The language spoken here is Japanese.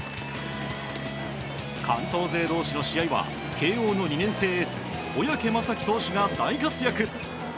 関東勢同士の試合は慶應の２年生エース小宅雅己投手が大活躍。